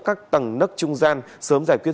các tầng nấc trung gian sớm giải quyết